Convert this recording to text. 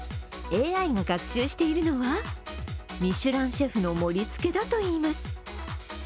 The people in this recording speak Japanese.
ＡＩが学習しているのはミシュランシェフの盛りつけだといいます。